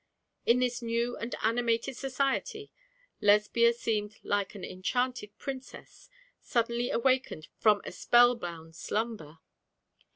In this new and animated society Lesbia seemed like an enchanted princess suddenly awakened from a spell bound slumber.